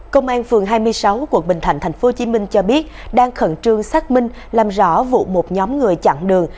công an phường hai mươi sáu quận bình thạnh tp hcm cho biết đang khẩn trương xác minh làm rõ vụ một nhóm người chặn đường